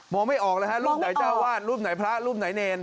ไม่ออกเลยฮะรูปไหนเจ้าวาดรูปไหนพระรูปไหนเนร